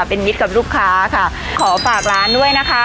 เป็นมิตรกับลูกค้าค่ะขอฝากร้านด้วยนะคะ